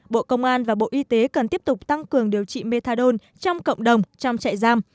bộ công an và bộ y tế cần tiếp tục tăng cường điều trị methadone trong cộng đồng trong trại giam